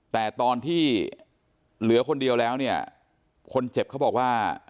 แต่ตอนที่เหลือคนเดียวแล้วเนี่ยคนเจ็บเขาบอกว่า